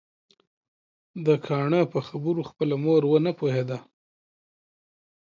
د کاڼه په خبرو خپله مور ونه پوهيده